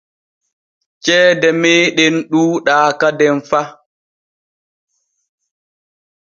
Ceede meeɗen ɗuuɗaa kaden fa.